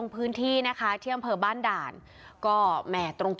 พิเศษบ้านก็บอกว่า